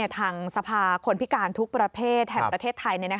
ทางสภาคนพิการทุกประเภทแห่งประเทศไทย